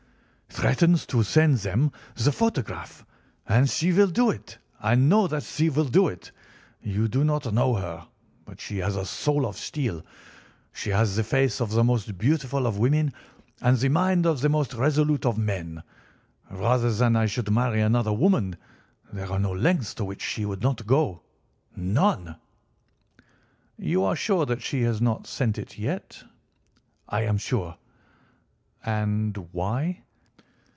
"Threatens to send them the photograph. And she will do it. I know that she will do it. You do not know her, but she has a soul of steel. She has the face of the most beautiful of women, and the mind of the most resolute of men. Rather than I should marry another woman, there are no lengths to which she would not go—none." "You are sure that she has not sent it yet?" "I am sure." "And why?"